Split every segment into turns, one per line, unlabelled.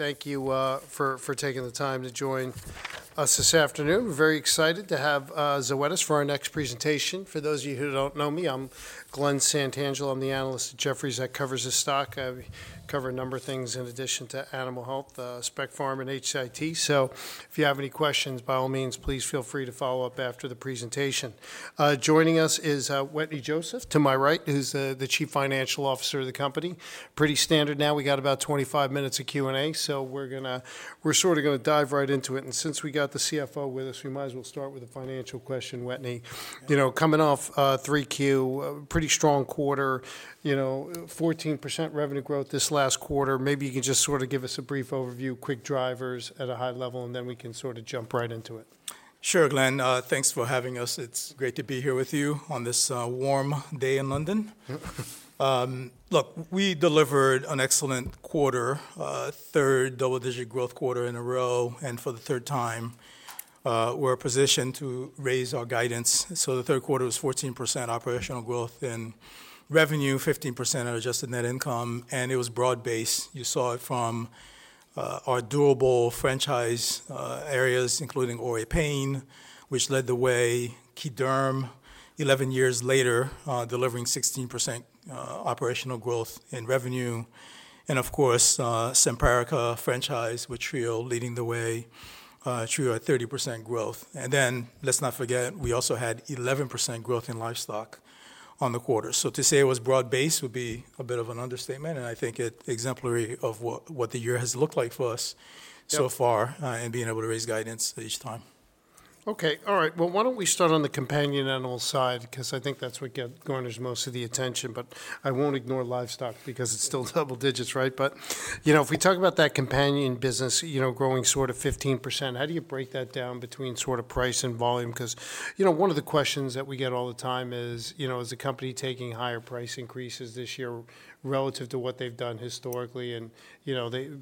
Thank you for taking the time to join us this afternoon. We're very excited to have Zoetis for our next presentation. For those of you who don't know me, I'm Glenn Santangelo. I'm the analyst at Jefferies that covers the stock. I cover a number of things in addition to animal health, specialty pharma, and HCIT. So if you have any questions, by all means, please feel free to follow up after the presentation. Joining us is Wetteny Joseph, to my right, who's the Chief Financial Officer of the company. Pretty standard now. We got about 25 minutes of Q&A, so we're sort of going to dive right into it. And since we got the CFO with us, we might as well start with a financial question, Wetteny. Coming off 3Q, pretty strong quarter, 14% revenue growth this last quarter. Maybe you can just sort of give us a brief overview, quick drivers at a high level, and then we can sort of jump right into it.
Sure, Glenn. Thanks for having us. It's great to be here with you on this warm day in London. Look, we delivered an excellent quarter, third double-digit growth quarter in a row, and for the third time, we're positioned to raise our guidance. So the third quarter was 14% operational growth in revenue, 15% in Adjusted Net Income, and it was broad-based. You saw it from our durable franchise areas, including OA pain, which led the way, derm, 11 years later, delivering 16% operational growth in revenue, and of course, Simparica franchise with Trio leading the way, Trio at 30% growth. And then let's not forget, we also had 11% growth in livestock on the quarter. To say it was broad-based would be a bit of an understatement, and I think it's exemplary of what the year has looked like for us so far in being able to raise guidance each time.
Okay. All right. Well, why don't we start on the companion animal side? Because I think that's what garners most of the attention. But I won't ignore livestock because it's still double digits, right? But if we talk about that companion business, growing sort of 15%, how do you break that down between sort of price and volume? Because one of the questions that we get all the time is, is the company taking higher price increases this year relative to what they've done historically? And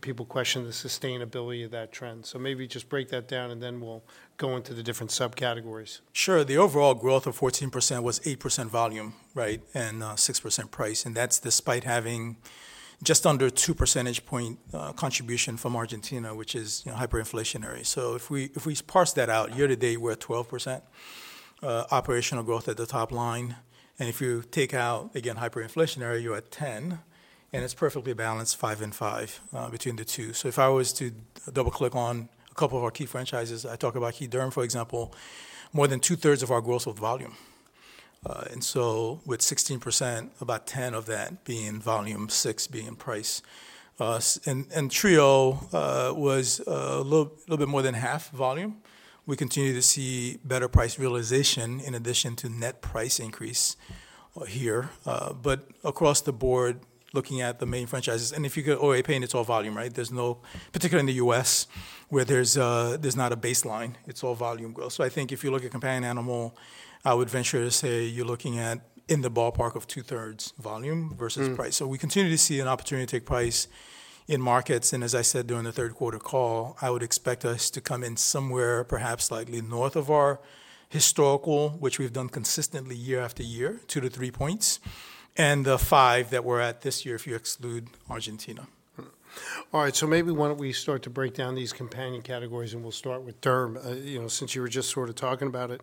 people question the sustainability of that trend. So maybe just break that down, and then we'll go into the different subcategories.
Sure. The overall growth of 14% was 8% volume and 6% price. And that's despite having just under a 2 percentage point contribution from Argentina, which is hyperinflationary. So if we parse that out, year to date, we're at 12% operational growth at the top line. And if you take out, again, hyperinflationary, you're at 10%, and it's perfectly balanced, 5% and 5% between the two. So if I was to double-click on a couple of our key franchises, I talk about derm, for example. More than two-thirds of our growth was volume. And so with 16%, about 10% of that being volume, 6% being price. And Trio was a little bit more than half volume. We continue to see better price realization in addition to net price increase here. But across the board, looking at the main franchises, and if you get OA pain, it's all volume, right? There's no, particularly in the U.S., where there's not a baseline. It's all volume growth. So I think if you look at companion animal, I would venture to say you're looking at in the ballpark of two-thirds volume versus price. So we continue to see an opportunity to take price in markets. And as I said during the third quarter call, I would expect us to come in somewhere perhaps slightly north of our historical, which we've done consistently year after year, 2-3 points, and the 5 that we're at this year if you exclude Argentina.
All right. So maybe why don't we start to break down these companion categories, and we'll start with derm, since you were just sort of talking about it.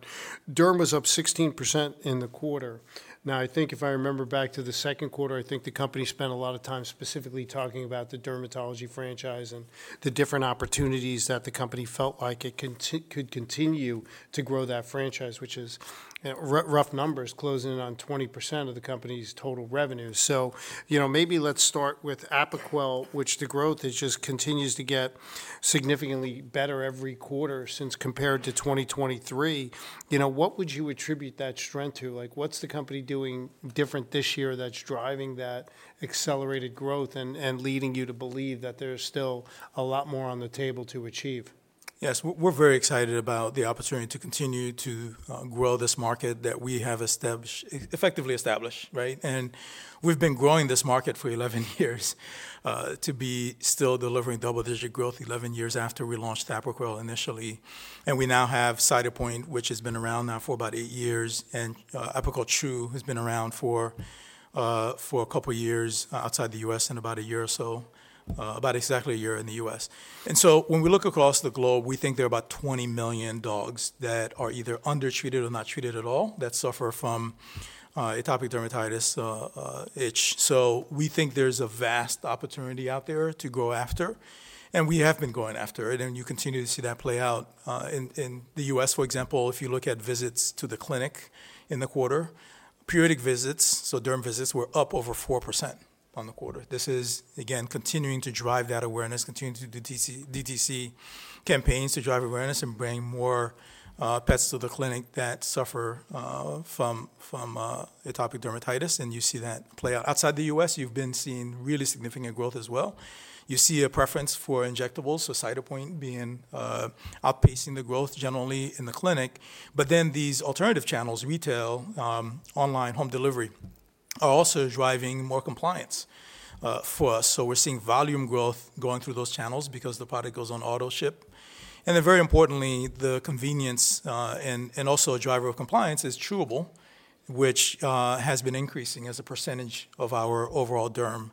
Derm was up 16% in the quarter. Now, I think if I remember back to the second quarter, I think the company spent a lot of time specifically talking about the dermatology franchise and the different opportunities that the company felt like it could continue to grow that franchise, which is rough numbers closing in on 20% of the company's total revenue. So maybe let's start with Apoquel, which the growth just continues to get significantly better every quarter since compared to 2023. What would you attribute that strength to? What's the company doing different this year that's driving that accelerated growth and leading you to believe that there's still a lot more on the table to achieve?
Yes. We're very excited about the opportunity to continue to grow this market that we have effectively established, and we've been growing this market for 11 years to be still delivering double-digit growth 11 years after we launched Apoquel initially. And we now have Cytopoint, which has been around now for about eight years, and Apoquel Chewable has been around for a couple of years outside the US and about a year or so, about exactly a year in the US. And so when we look across the globe, we think there are about 20 million dogs that are either undertreated or not treated at all that suffer from atopic dermatitis itch. So we think there's a vast opportunity out there to grow after, and we have been going after it. And you continue to see that play out. In the U.S., for example, if you look at visits to the clinic in the quarter, periodic visits, so derm visits, were up over 4% on the quarter. This is, again, continuing to drive that awareness, continuing to do DTC campaigns to drive awareness and bring more pets to the clinic that suffer from atopic dermatitis. And you see that play out. Outside the U.S., you've been seeing really significant growth as well. You see a preference for injectables, so Cytopoint being outpacing the growth generally in the clinic. But then these alternative channels, retail, online, home delivery, are also driving more compliance for us. So we're seeing volume growth going through those channels because the product goes on auto ship. And then very importantly, the convenience and also a driver of compliance is chewable, which has been increasing as a percentage of our overall derm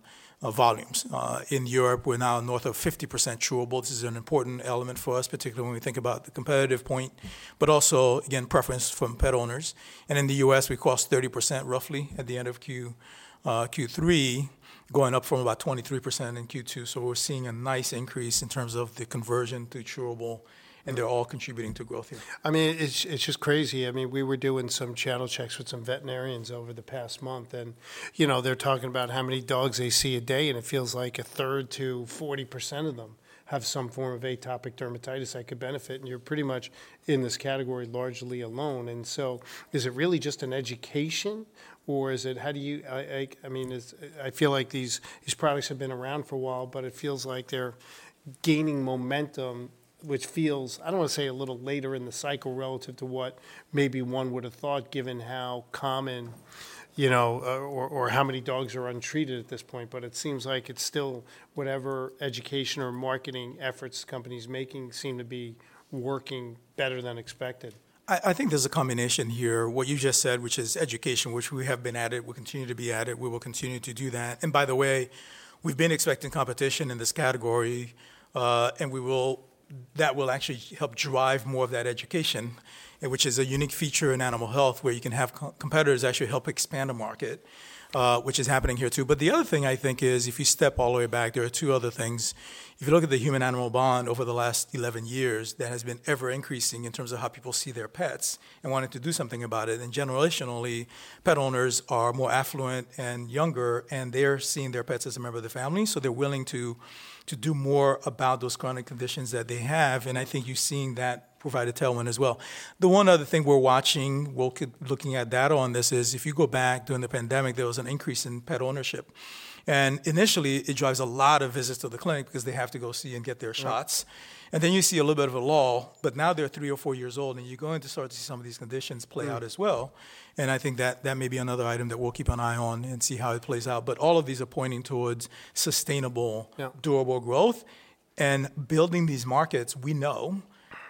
volumes. In Europe, we're now north of 50% chewable. This is an important element for us, particularly when we think about the competitive point, but also, again, preference from pet owners. And in the U.S., we crossed 30% roughly at the end of Q3, going up from about 23% in Q2. So we're seeing a nice increase in terms of the conversion to chewable, and they're all contributing to growth here.
I mean, it's just crazy. I mean, we were doing some channel checks with some veterinarians over the past month, and they're talking about how many dogs they see a day, and it feels like a third to 40% of them have some form of atopic dermatitis that could benefit, and you're pretty much in this category largely alone, so is it really just an education, or is it how do you? I mean, I feel like these products have been around for a while, but it feels like they're gaining momentum, which feels, I don't want to say a little later in the cycle relative to what maybe one would have thought, given how common or how many dogs are untreated at this point, but it seems like it's still whatever education or marketing efforts companies making seem to be working better than expected.
I think there's a combination here, what you just said, which is education, which we have been at it, will continue to be at it. We will continue to do that, and by the way, we've been expecting competition in this category, and that will actually help drive more of that education, which is a unique feature in animal health where you can have competitors actually help expand the market, which is happening here too, but the other thing I think is if you step all the way back, there are two other things. If you look at the human-animal bond over the last 11 years, that has been ever increasing in terms of how people see their pets and wanting to do something about it, and generationally, pet owners are more affluent and younger, and they're seeing their pets as a member of the family. So they're willing to do more about those chronic conditions that they have. And I think you're seeing that provide a tailwind as well. The one other thing we're watching, looking at data on this is if you go back during the pandemic, there was an increase in pet ownership. And initially, it drives a lot of visits to the clinic because they have to go see and get their shots. And then you see a little bit of a lull, but now they're three or four years old, and you're going to start to see some of these conditions play out as well. And I think that may be another item that we'll keep an eye on and see how it plays out. But all of these are pointing towards sustainable, durable growth. Building these markets, we know,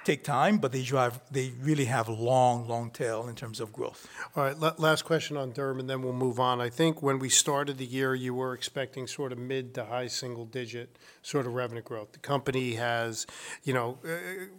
take time, but they really have a long, long tail in terms of growth.
All right. Last question on derm, and then we'll move on. I think when we started the year, you were expecting sort of mid to high single-digit sort of revenue growth. The company has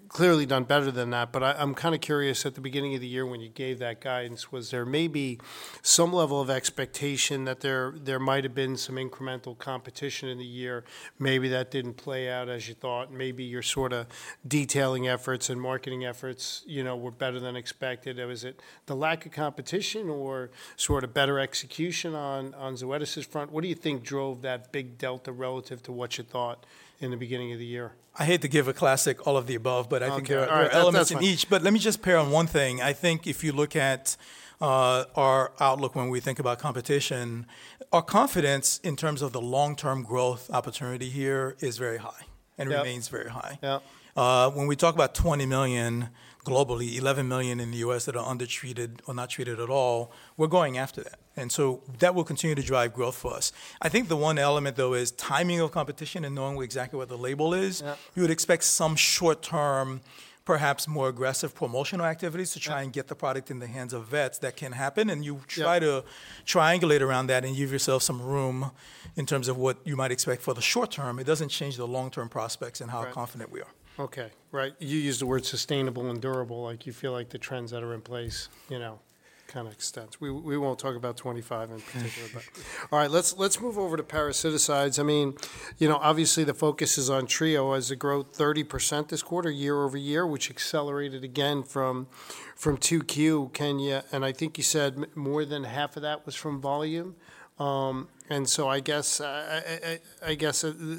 clearly done better than that. But I'm kind of curious, at the beginning of the year when you gave that guidance, was there maybe some level of expectation that there might have been some incremental competition in the year? Maybe that didn't play out as you thought. Maybe your sort of detailing efforts and marketing efforts were better than expected. Was it the lack of competition or sort of better execution on Zoetis's front? What do you think drove that big delta relative to what you thought in the beginning of the year?
I hate to give a classic all of the above, but I think there are elements in each, but let me just pair on one thing. I think if you look at our outlook when we think about competition, our confidence in terms of the long-term growth opportunity here is very high and remains very high. When we talk about 20 million globally, 11 million in the U.S. that are undertreated or not treated at all, we're going after that, and so that will continue to drive growth for us. I think the one element, though, is timing of competition and knowing exactly what the label is. You would expect some short-term, perhaps more aggressive promotional activities to try and get the product in the hands of vets. That can happen. You try to triangulate around that and give yourself some room in terms of what you might expect for the short term. It doesn't change the long-term prospects and how confident we are.
Okay. Right. You used the word sustainable and durable. You feel like the trends that are in place kind of extend. We won't talk about 25 in particular. All right. Let's move over to parasiticides. I mean, obviously, the focus is on Trio as it grew 30% this quarter, year over year, which accelerated again from 2Q, can you? And I think you said more than half of that was from volume. And so I guess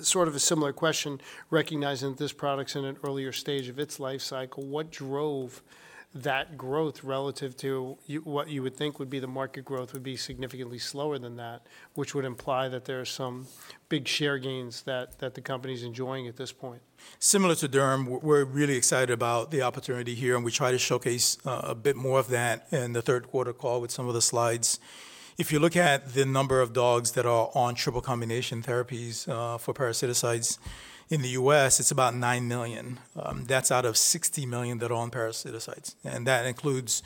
sort of a similar question, recognizing that this product's in an earlier stage of its life cycle, what drove that growth relative to what you would think would be the market growth would be significantly slower than that, which would imply that there are some big share gains that the company's enjoying at this point?
Similar to derm, we're really excited about the opportunity here, and we try to showcase a bit more of that in the third quarter call with some of the slides. If you look at the number of dogs that are on triple combination therapies for parasiticides in the U.S., it's about nine million. That's out of 60 million that are on parasiticides. And that includes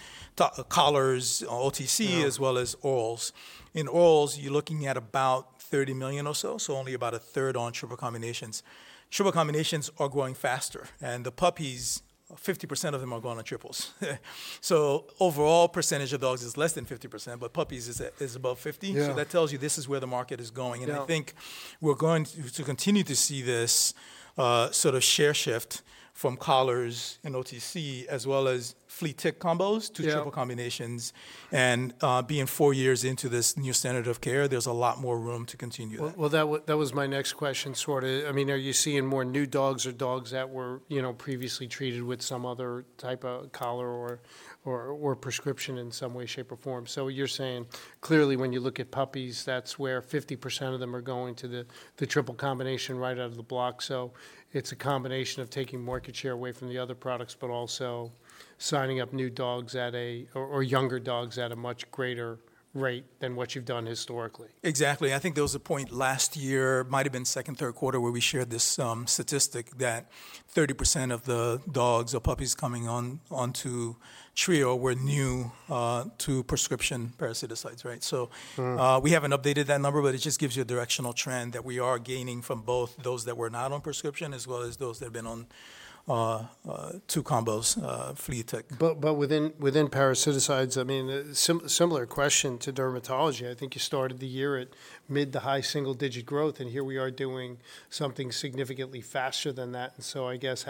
collars, OTC, as well as orals. In orals, you're looking at about 30 million or so, so only about a third on triple combinations. Triple combinations are growing faster. And the puppies, 50% of them are going on triples. So overall percentage of dogs is less than 50%, but puppies is above 50%. So that tells you this is where the market is going. I think we're going to continue to see this sort of share shift from collars and OTC, as well as flea tick combos to triple combinations. Being four years into this new standard of care, there's a lot more room to continue that.
That was my next question, sort of. I mean, are you seeing more new dogs or dogs that were previously treated with some other type of collar or prescription in some way, shape, or form? So you're saying clearly when you look at puppies, that's where 50% of them are going to the triple combination right out of the block. So it's a combination of taking market share away from the other products, but also signing up new dogs or younger dogs at a much greater rate than what you've done historically.
Exactly. I think there was a point last year, might have been second, third quarter, where we shared this statistic that 30% of the dogs or puppies coming onto Trio were new to prescription parasiticides, right? So we haven't updated that number, but it just gives you a directional trend that we are gaining from both those that were not on prescription as well as those that have been on two combos, flea tick.
But within parasiticides, I mean, similar question to dermatology. I think you started the year at mid- to high single-digit growth, and here we are doing something significantly faster than that. And so I guess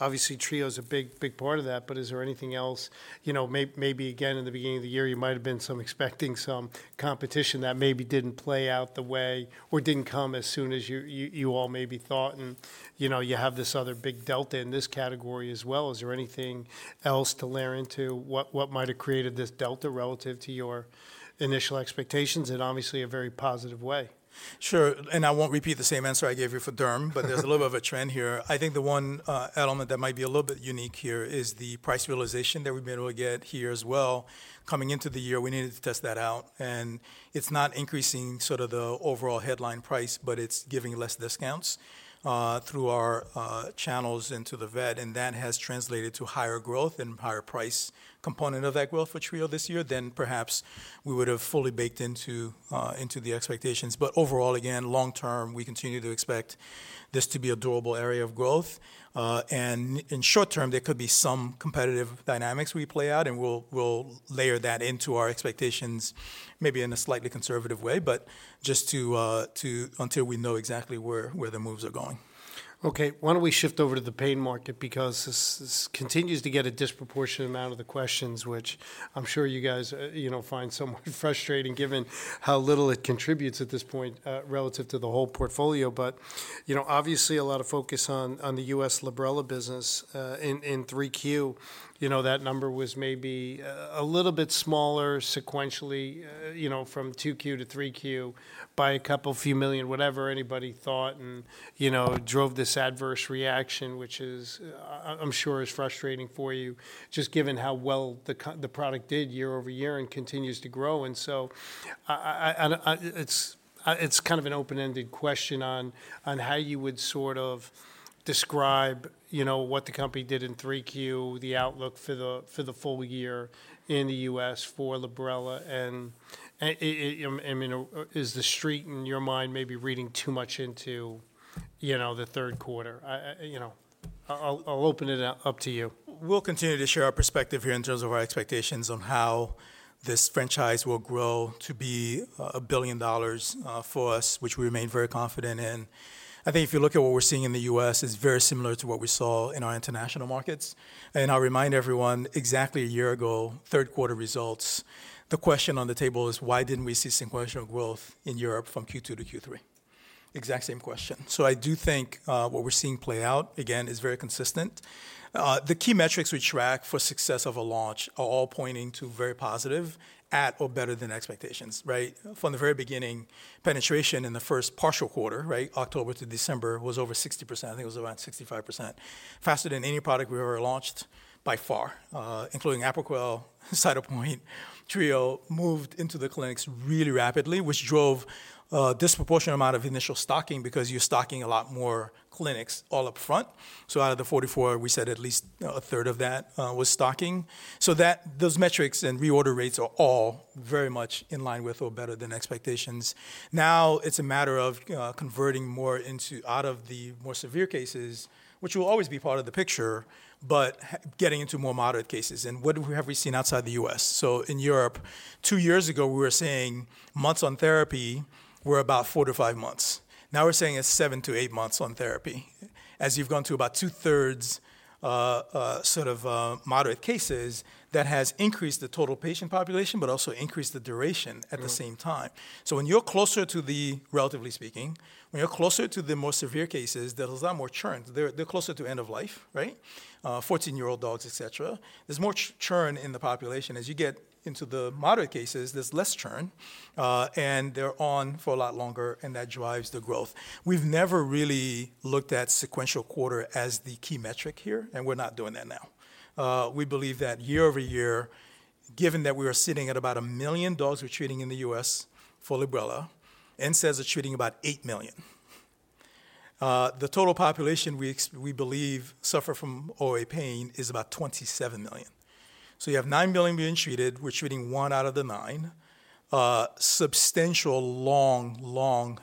obviously Trio is a big part of that, but is there anything else? Maybe again in the beginning of the year, you might have been expecting some competition that maybe didn't play out the way or didn't come as soon as you all maybe thought. And you have this other big delta in this category as well. Is there anything else to layer into what might have created this delta relative to your initial expectations in obviously a very positive way?
Sure. And I won't repeat the same answer I gave you for derm, but there's a little bit of a trend here. I think the one element that might be a little bit unique here is the price realization that we've been able to get here as well. Coming into the year, we needed to test that out. And it's not increasing sort of the overall headline price, but it's giving less discounts through our channels into the vet. And that has translated to higher growth and higher price component of that growth for Trio this year than perhaps we would have fully baked into the expectations. But overall, again, long term, we continue to expect this to be a durable area of growth. In short term, there could be some competitive dynamics we play out, and we'll layer that into our expectations maybe in a slightly conservative way, but just until we know exactly where the moves are going.
Okay. Why don't we shift over to the pain market because this continues to get a disproportionate amount of the questions, which I'm sure you guys find somewhat frustrating given how little it contributes at this point relative to the whole portfolio. But obviously, a lot of focus on the U.S. Librela business in 3Q. That number was maybe a little bit smaller sequentially from 2Q to 3Q by a couple of few million, whatever anybody thought, and drove this adverse reaction, which I'm sure is frustrating for you just given how well the product did year over year and continues to grow. And so it's kind of an open-ended question on how you would sort of describe what the company did in 3Q, the outlook for the full year in the U.S. for Librela. And is the street in your mind maybe reading too much into the third quarter? I'll open it up to you.
We'll continue to share our perspective here in terms of our expectations on how this franchise will grow to be $1 billion for us, which we remain very confident in. I think if you look at what we're seeing in the U.S., it's very similar to what we saw in our international markets, and I'll remind everyone, exactly a year ago, third quarter results, the question on the table is, why didn't we see sequential growth in Europe from Q2 to Q3? Exact same question, so I do think what we're seeing play out, again, is very consistent. The key metrics we track for success of a launch are all pointing to very positive at or better than expectations, right? From the very beginning, penetration in the first partial quarter, October to December, was over 60%. I think it was around 65% faster than any product we ever launched by far, including Apoquel, Cytopoint, Trio moved into the clinics really rapidly, which drove a disproportionate amount of initial stocking because you're stocking a lot more clinics all upfront. So out of the 44, we said at least a third of that was stocking. So those metrics and reorder rates are all very much in line with or better than expectations. Now it's a matter of converting more out of the more severe cases, which will always be part of the picture, but getting into more moderate cases. And what have we seen outside the U.S.? So in Europe, two years ago, we were saying months on therapy were about four-to-five months. Now we're saying it's seven-to-eight months on therapy. As you've gone to about two-thirds sort of moderate cases, that has increased the total patient population, but also increased the duration at the same time. So when you're closer to the, relatively speaking, when you're closer to the more severe cases, there's a lot more churn. They're closer to end of life, right? 14-year-old dogs, et cetera. There's more churn in the population. As you get into the moderate cases, there's less churn, and they're on for a lot longer, and that drives the growth. We've never really looked at sequential quarter as the key metric here, and we're not doing that now. We believe that year over year, given that we are sitting at about a million dogs treated in the U.S. for Librela, NSAIDs are treating about 8 million. The total population we believe suffer from OA pain is about 27 million. So you have nine million being treated. We're treating one out of the nine. Substantial long, long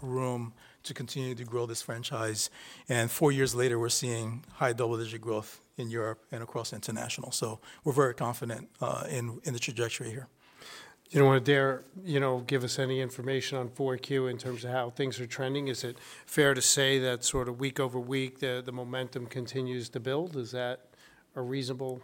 room to continue to grow this franchise. And four years later, we're seeing high double-digit growth in Europe and across international. So we're very confident in the trajectory here.
You don't want to give us any information on 4Q in terms of how things are trending. Is it fair to say that sort of week over week, the momentum continues to build? Is that a reasonable?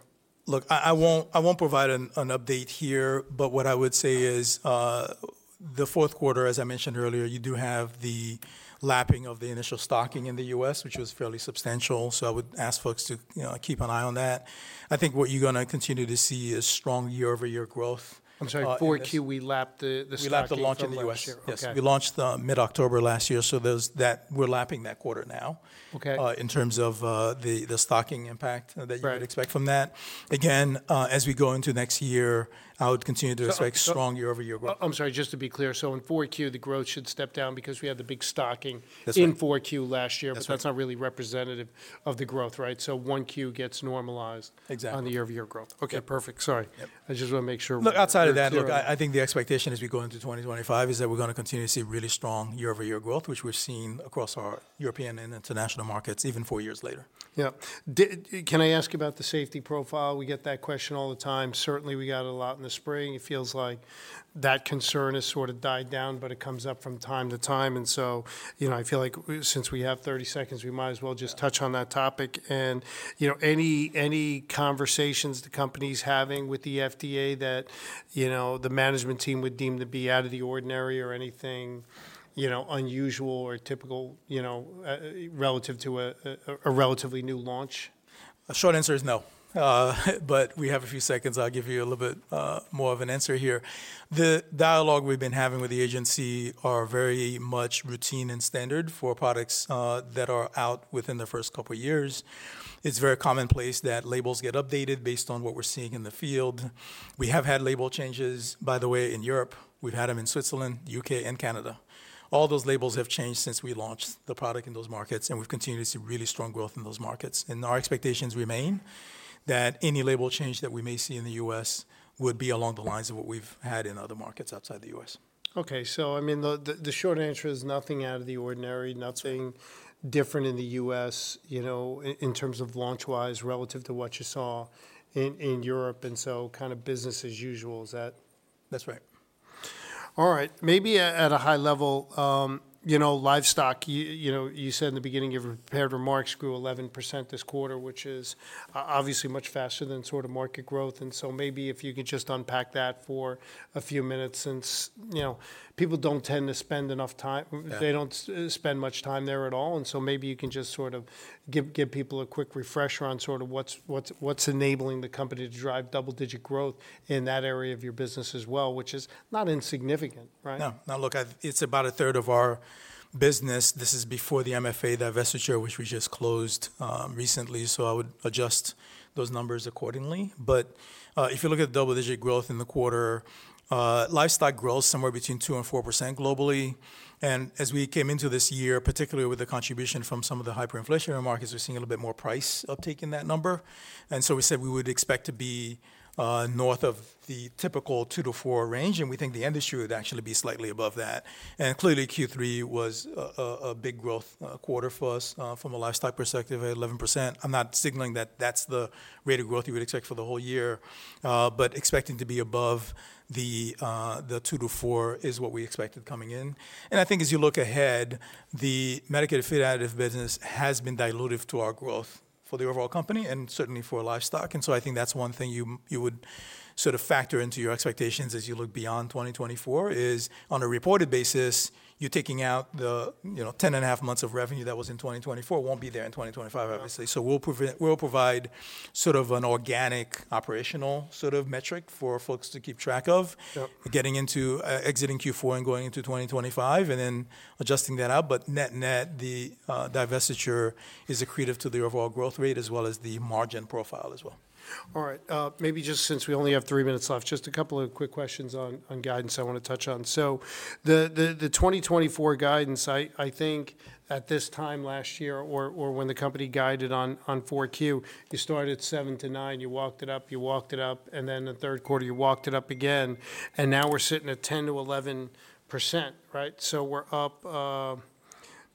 Look, I won't provide an update here, but what I would say is the fourth quarter, as I mentioned earlier, you do have the lapping of the initial stocking in the U.S., which was fairly substantial. So I would ask folks to keep an eye on that. I think what you're going to continue to see is strong year-over-year growth.
I'm sorry. 4Q, we lapped the stocking?
We lapped the launch in the U.S. Yes. We launched mid-October last year, so we're lapping that quarter now in terms of the stocking impact that you would expect from that. Again, as we go into next year, I would continue to expect strong year-over-year growth.
I'm sorry. Just to be clear, so in 4Q, the growth should step down because we had the big stocking in 4Q last year, but that's not really representative of the growth, right? So 1Q gets normalized on the year-over-year growth. Okay. Perfect. Sorry. I just want to make sure.
Look, outside of that, look, I think the expectation as we go into 2025 is that we're going to continue to see really strong year-over-year growth, which we're seeing across our European and international markets even four years later.
Yeah. Can I ask about the safety profile? We get that question all the time. Certainly, we got it a lot in the spring. It feels like that concern has sort of died down, but it comes up from time to time. And so I feel like since we have 30 seconds, we might as well just touch on that topic. And any conversations the company's having with the FDA that the management team would deem to be out of the ordinary or anything unusual or typical relative to a relatively new launch?
Short answer is no. But we have a few seconds. I'll give you a little bit more of an answer here. The dialogue we've been having with the agency are very much routine and standard for products that are out within the first couple of years. It's very commonplace that labels get updated based on what we're seeing in the field. We have had label changes, by the way, in Europe. We've had them in Switzerland, U.K., and Canada. All those labels have changed since we launched the product in those markets, and we've continued to see really strong growth in those markets. And our expectations remain that any label change that we may see in the U.S. would be along the lines of what we've had in other markets outside the U.S.
Okay. So I mean, the short answer is nothing out of the ordinary, nothing different in the U.S. in terms of launch-wise relative to what you saw in Europe. And so kind of business as usual. Is that?
That's right.
All right. Maybe at a high level, livestock, you said in the beginning of your prepared remarks, grew 11% this quarter, which is obviously much faster than sort of market growth. And so maybe if you could just unpack that for a few minutes since people don't tend to spend enough time, they don't spend much time there at all. And so maybe you can just sort of give people a quick refresher on sort of what's enabling the company to drive double-digit growth in that area of your business as well, which is not insignificant, right?
No. Now, look, it's about a third of our business. This is before the MFA divestiture, which we just closed recently. So I would adjust those numbers accordingly. But if you look at the double-digit growth in the quarter, livestock grows somewhere between 2%-4% globally. And as we came into this year, particularly with the contribution from some of the hyperinflationary markets, we're seeing a little bit more price uptake in that number. And so we said we would expect to be north of the typical 2%-4% range. And we think the industry would actually be slightly above that. And clearly, Q3 was a big growth quarter for us from a livestock perspective, at 11%. I'm not signaling that that's the rate of growth you would expect for the whole year, but expecting to be above the 2%-4% is what we expected coming in. I think as you look ahead, the medicated feed additive business has been dilutive to our growth for the overall company and certainly for livestock. So I think that's one thing you would sort of factor into your expectations as you look beyond 2024: on a reported basis, you're taking out the 10.5 months of revenue that was in 2024 and won't be there in 2025, obviously. We'll provide sort of an organic operational sort of metric for folks to keep track of getting into exiting Q4 and going into 2025 and then adjusting that out. Net-net, the divestiture is accretive to the overall growth rate as well as the margin profile as well.
All right. Maybe just since we only have three minutes left, just a couple of quick questions on guidance I want to touch on, so the 2024 guidance, I think at this time last year or when the company guided on 4Q, you started 7%-9%, you walked it up, you walked it up, and then the third quarter you walked it up again, and now we're sitting at 10%-11%, right? So we're up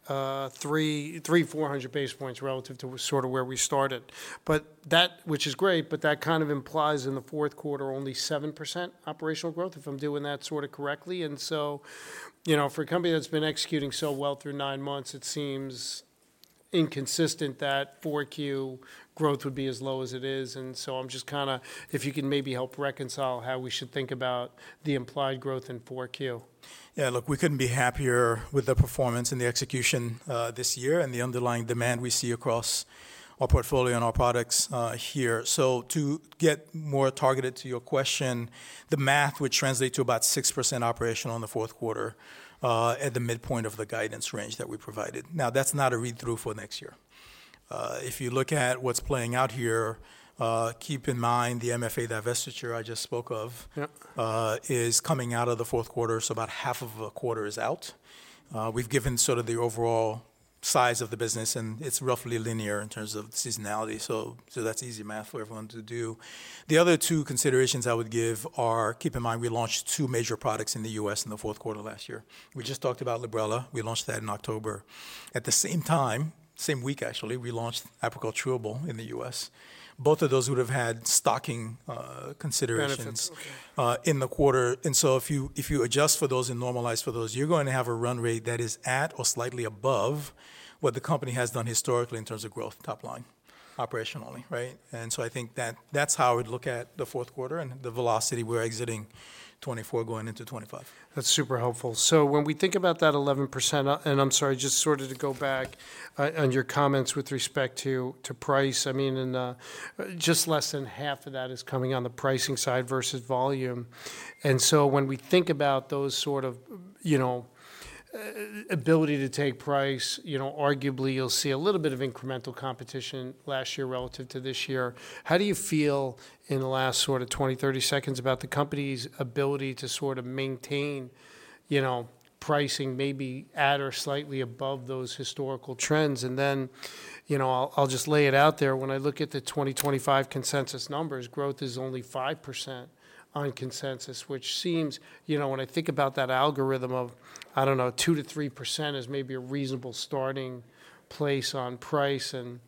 300-400 basis points relative to sort of where we started, but that, which is great, but that kind of implies in the fourth quarter only 7% operational growth if I'm doing that sort of correctly, and so for a company that's been executing so well through nine months, it seems inconsistent that 4Q growth would be as low as it is. And so I'm just kind of, if you can maybe help reconcile how we should think about the implied growth in 4Q?
Yeah. Look, we couldn't be happier with the performance and the execution this year and the underlying demand we see across our portfolio and our products here. So to get more targeted to your question, the math would translate to about 6% operational in the fourth quarter at the midpoint of the guidance range that we provided. Now, that's not a read-through for next year. If you look at what's playing out here, keep in mind the MFA divestiture I just spoke of is coming out of the fourth quarter. So about half of a quarter is out. We've given sort of the overall size of the business, and it's roughly linear in terms of seasonality. So that's easy math for everyone to do. The other two considerations I would give are, keep in mind, we launched two major products in the U.S. in the fourth quarter last year. We just talked about Librela. We launched that in October. At the same time, same week actually, we launched Apoquel Chewable in the U.S. Both of those would have had stocking considerations in the quarter. And so if you adjust for those and normalize for those, you're going to have a run rate that is at or slightly above what the company has done historically in terms of growth top line operationally, right? And so I think that's how I would look at the fourth quarter and the velocity we're exiting 2024 going into 2025.
That's super helpful. So when we think about that 11%, and I'm sorry, just sort of to go back on your comments with respect to price, I mean, just less than half of that is coming on the pricing side versus volume. And so when we think about those sort of ability to take price, arguably you'll see a little bit of incremental competition last year relative to this year. How do you feel in the last sort of 20, 30 seconds about the company's ability to sort of maintain pricing maybe at or slightly above those historical trends? And then I'll just lay it out there. When I look at the 2025 consensus numbers, growth is only 5% on consensus, which seems when I think about that algorithm of, I don't know, 2%-3% is maybe a reasonable starting place on price. And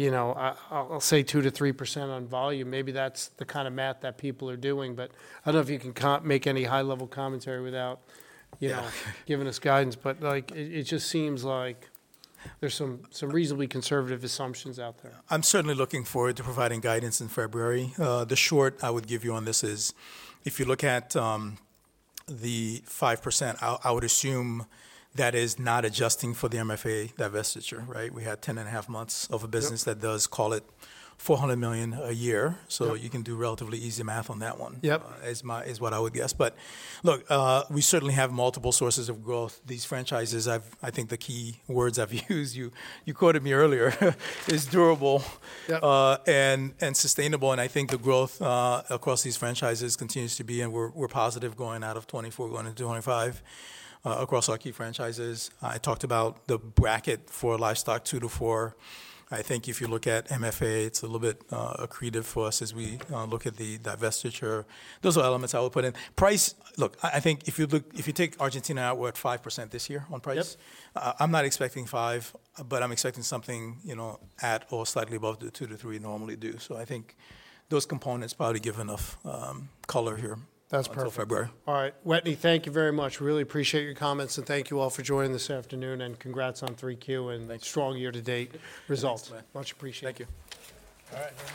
I'll say 2%-3% on volume. Maybe that's the kind of math that people are doing. But I don't know if you can make any high-level commentary without giving us guidance. But it just seems like there's some reasonably conservative assumptions out there.
I'm certainly looking forward to providing guidance in February. The short I would give you on this is if you look at the 5%, I would assume that is not adjusting for the MFA divestiture, right? We had 10 and a half months of a business that does call it $400 million a year. So you can do relatively easy math on that one is what I would guess. But look, we certainly have multiple sources of growth. These franchises, I think the key words I've used, you quoted me earlier, is durable and sustainable. And I think the growth across these franchises continues to be, and we're positive going out of 2024 going into 2025 across our key franchises. I talked about the bracket for livestock 2%-4%. I think if you look at MFA, it's a little bit accretive for us as we look at the divestiture. Those are elements I would put in. Price, look, I think if you take Argentina out, we're at 5% this year on price. I'm not expecting 5%, but I'm expecting something at or slightly above the 2%-3% normally do. So I think those components probably give enough color here until February.
That's perfect. All right. Wetteny, thank you very much. Really appreciate your comments. And thank you all for joining this afternoon. And congrats on 3Q and strong year-to-date results. Much appreciated.
Thank you.
All right.